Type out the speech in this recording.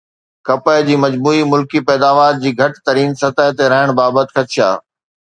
ڪپهه جي مجموعي ملڪي پيداوار جي گهٽ ترين سطح تي رهڻ بابت خدشا